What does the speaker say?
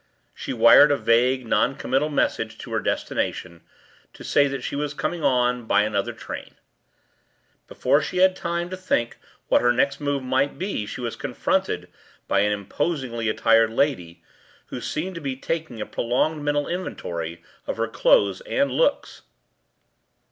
She wired a vague non committal message to her destination to say that she was coming on “by another train.” Before she had time to think what her next move might be she was confronted by an imposingly attired lady, who seemed to be taking a prolonged mental inventory of her clothes and looks.